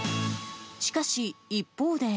しかし、一方で。